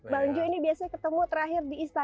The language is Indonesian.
bang jo ini biasanya ketemu terakhir di istana